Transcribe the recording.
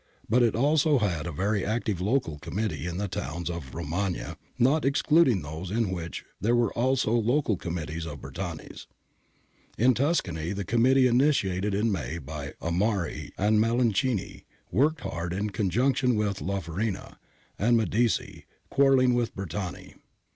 4), but it also had very active local Committees in the towns of the Romagna (see Dallolio, 97 145), not excluding those in which there were also local Committees of Bertani's. In Tuscany the Committee initiated in May by Amari and Malenchini worked hard in conjunction with La Farina and Medici, quarrelling with Bertani ; see Amari, ii, 82 90 ; Risorg. anno i.